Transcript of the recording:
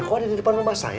oh ada di depan rumah saya